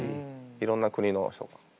いろんな国の。